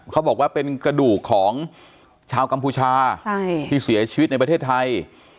เขาบอกว่าเป็นกระดูกของชาวกัมพูชาที่เสียชีวิตในประเทศไทย